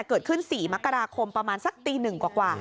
เกิดขึ้น๔มกราคมประมาณสักตี๑กว่า